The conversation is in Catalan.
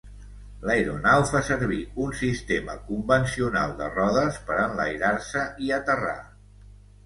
L'aeronau fa servir un sistema convencional de rodes per enlairar-se i aterrar.